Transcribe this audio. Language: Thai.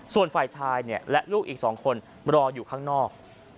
ส่วนฝ่ายชายและลูกอีก๒คนรออยู่ข้างนอก